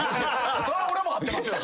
そりゃ俺も会ってますよ。